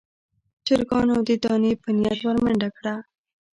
چرګانو د دانې په نيت ور منډه کړه.